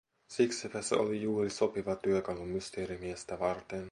Siksipä se oli juuri sopiva työkalu Mysteerimiestä varten.